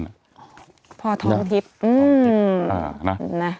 นั่นแหละพ่อท้องทิพย์